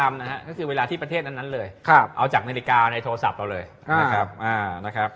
เล็กเล็กเล็กเล็กเล็กเล็กเล็กเล็กเล็กเล็กเล็กเล็ก